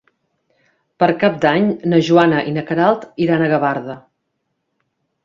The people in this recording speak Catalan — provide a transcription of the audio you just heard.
Per Cap d'Any na Joana i na Queralt iran a Gavarda.